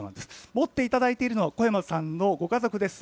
持っていただいているのは、小山さんのご家族です。